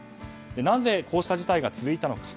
なぜこうした事態が続いたのか。